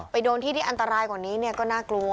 โดนที่ที่อันตรายกว่านี้ก็น่ากลัว